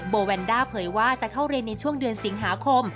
แวนด้าเผยว่าจะเข้าเรียนในช่วงเดือนสิงหาคม